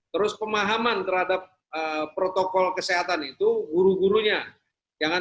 terus pemahaman terhadap protokol kesehatan itu guru gurunya